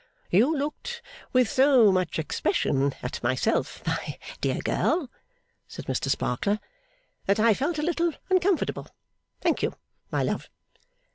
'You looked with so much expression at myself, my dear girl,' said Mr Sparkler, 'that I felt a little uncomfortable. Thank you, my love.